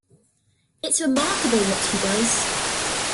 It's remarkable what he does.